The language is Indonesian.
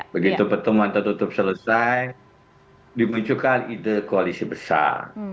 begitu pertemuan tertutup selesai dimunculkan ide koalisi besar